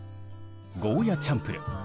ゴーヤーチャンプルー。